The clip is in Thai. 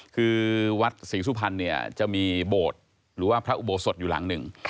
คือวัดศรีสุพรรณเนี่ยจะมีโบสถ์หรือว่าพระอุโบสถอยู่หลังหนึ่ง